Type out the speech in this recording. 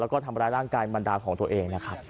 แล้วก็ทำร้ายร่างกายบรรดาของตัวเองนะครับ